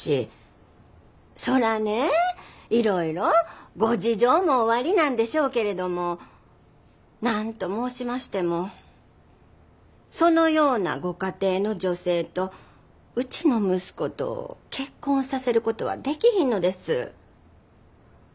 そらねいろいろご事情もおありなんでしょうけれどもなんと申しましてもそのようなご家庭の女性とうちの息子と結婚させることはできひんのです。